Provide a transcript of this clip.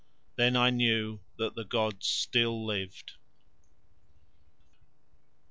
Then I knew that the gods still lived.